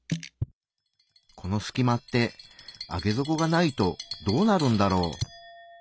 このすき間って上げ底がないとどうなるんだろう。